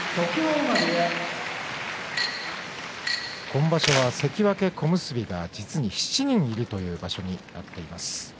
今場所は関脇、小結が実に７人いるという場所です。